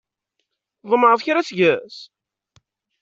Tḍemɛeḍ kra seg-s?